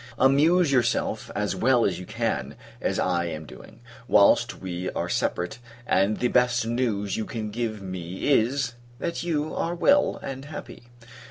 Amuse yourself as well as you can, as I am doing, whilst we are separate; and the best news you can give me is, that you are well and happy.